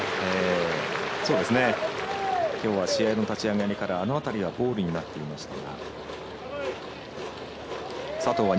きょうは試合の立ち上がりからあの辺りはボールになっていましたが。